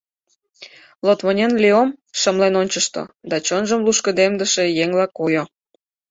Лотвонен Леом шымлен ончышто да чонжым лушкыдемдыше еҥла койо.